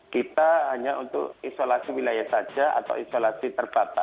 kita hanya untuk isolasi wilayah saja atau isolasi terbatas